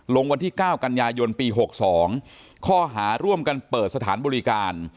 วันที่๙กันยายนปี๖๒ข้อหาร่วมกันเปิดสถานบริการ